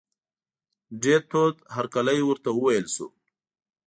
ډېر تود هرکلی ورته وویل شو.